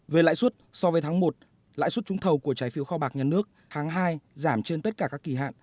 về lãi suất so với tháng một lãi suất trúng thầu của trái phiếu kho bạc nhà nước tháng hai giảm trên tất cả các kỳ hạn